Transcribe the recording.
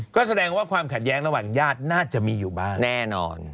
ก็แสดงว่าความขัดแย้งระหว่างญาติน่าจะมีอยู่บ้างแน่นอน